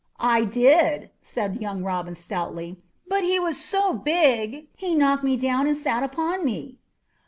"I did," said young Robin stoutly; "but he was so big, he knocked me down and sat upon me."